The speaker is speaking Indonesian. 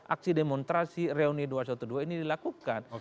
aksi demonstrasi reuni dua ratus dua belas ini dilakukan